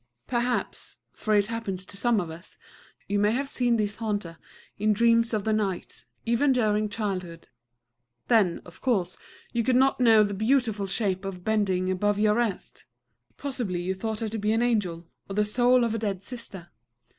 Perhaps for it happens to some of us you may have seen this haunter, in dreams of the night, even during childhood. Then, of course, you could not know the beautiful shape bending above your rest: possibly you thought her to be an angel, or the soul of a dead sister.